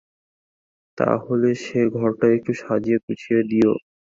তা হলে সে ঘরটা একটু সাজিয়ে গুজিয়ে দিইগে।